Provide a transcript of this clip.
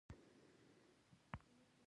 پسه د افغان ځوانانو لپاره ډېره دلچسپي لري.